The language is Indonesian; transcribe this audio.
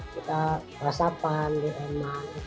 kita merasakan di emang